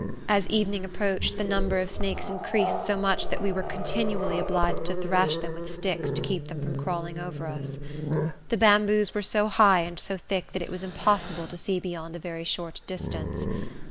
As evening approached, the number of snakes increased so much that we were continually obliged to thrash them with sticks to keep them from crawling over us. The bamboos were so high and so thick that it was impossible to see beyond a very short distance.